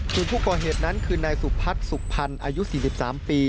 ส่วนผู้ก่อเหตุนั้นคือนายสุพัฒน์สุขพันธ์อายุ๔๓ปี